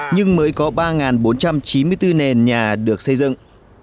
nhưng mới có ba bốn trăm chín mươi bốn nền nhà được xây dựng